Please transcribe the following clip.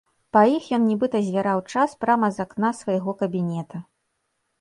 Па іх ён нібыта звяраў час прама з акна свайго кабінета.